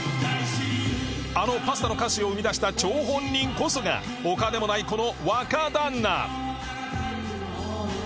あのパスタの歌詞を生み出した張本人こそが他でもないこの若旦那